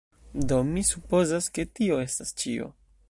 Do, mi supozas ke tio estas ĉio.